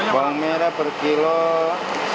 bawang merah per kilo rp lima puluh